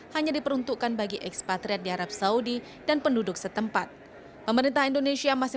hanya diperuntukkan bagi ekspatriat di arab saudi dan penduduk setempat pemerintah indonesia masih